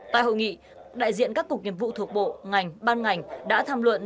tại hội nghị đại diện các cục nhiệm vụ thuộc bộ ngành ban ngành đã tham luận